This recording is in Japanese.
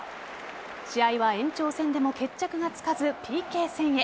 試合は延長戦でも決着がつかずＰＫ戦へ。